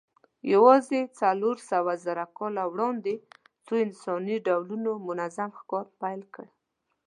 یواځې څلورسوهزره کاله وړاندې څو انساني ډولونو منظم ښکار پیل کړ.